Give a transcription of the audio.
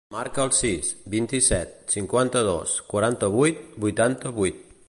Marca el sis, vint-i-set, cinquanta-dos, quaranta-vuit, vuitanta-vuit.